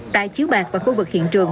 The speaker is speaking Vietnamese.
tại chiếu bạc và khu vực hiện trường